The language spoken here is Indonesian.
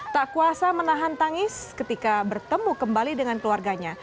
tak kuasa menahan tangis ketika bertemu kembali dengan keluarganya